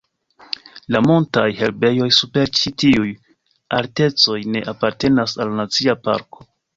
La montaj herbejoj super ĉi tiuj altecoj ne apartenas al la nacia parko.